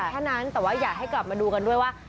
แค่นั้นแต่ว่าอยากให้กลับมาดูกันด้วยว่า